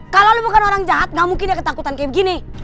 kalau lo bukan orang jahat gak mungkin ya ketakutan kayak gini